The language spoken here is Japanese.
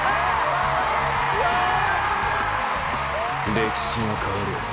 歴史が変わる。